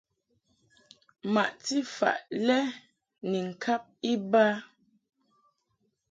Maʼti faʼ lɛ ni ŋkab iba.